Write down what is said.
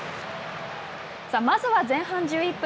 まずは前半１１分。